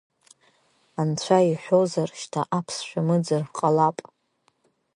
Анцәа иҳәозар шьҭа аԥсшәа мыӡыр ҟалап.